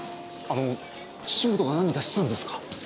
あの土本が何かしたんですか？